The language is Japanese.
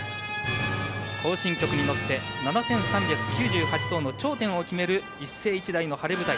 行進曲に乗って７３９８頭の頂点を決める一世一代の晴れ舞台